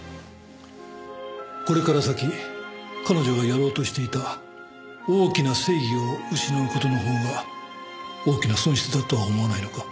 これから先彼女がやろうとしていた大きな正義を失う事のほうが大きな損失だとは思わないのか？